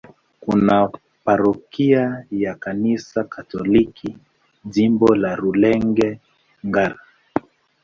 Kuna parokia ya Kanisa Katoliki, Jimbo la Rulenge-Ngara.